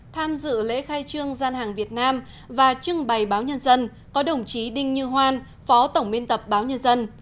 tham dự lễ khai trương gian hàng việt nam và trưng bày báo nhân dân có đồng chí đinh như hoan phó tổng biên tập báo nhân dân